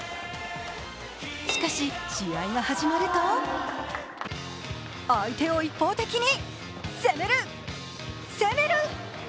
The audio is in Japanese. しかし、試合が始まると相手を一方的に攻める、攻める！